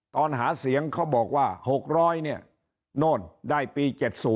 ตอนหาเสียงเขาบอกว่า๖๐๐เนี่ยโน่นได้ปี๗๐